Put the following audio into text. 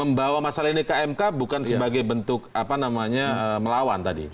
membawa masalah ini ke mk bukan sebagai bentuk apa namanya melawan tadi